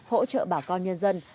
hỗ trợ bảo con nhân dân